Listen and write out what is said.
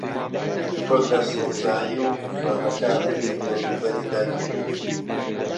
پڕ لە سەوزاییە جوانەکان کە دەوروبەر داگیربکەن